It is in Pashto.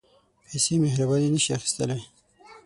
پېسې مهرباني نه شي اخیستلای.